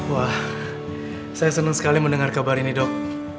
wah saya senang sekali mendengar kabar ini dok